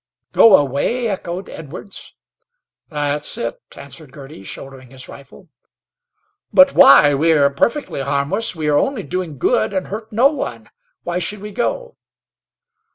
"Go away?" echoed Edwards. "That's it," answered Girty, shouldering his rifle. "But why? We are perfectly harmless; we are only doing good and hurt no one. Why should we go?"